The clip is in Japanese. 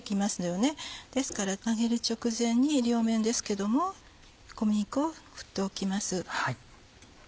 ですから揚げる直前に両面ですけども小麦粉を振っておきます。